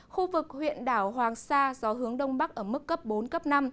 khu vực huyện đảo hoàng sa gió hướng đông bắc ở mức cấp bốn cấp năm